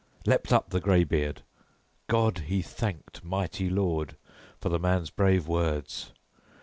Leaped up the graybeard: God he thanked, mighty Lord, for the man's brave words.